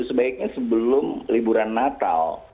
sebaiknya sebelum liburan natal